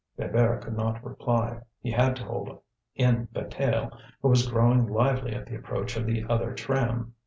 Bébert could not reply; he had to hold in Bataille, who was growing lively at the approach of the other tram.